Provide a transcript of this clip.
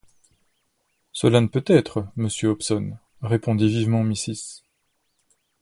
Cela ne peut être, monsieur Hobson, répondit vivement Mrs.